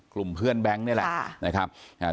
คลุมเพื่อนแบงก์เนี่ยแหละนะครับใช่ใช่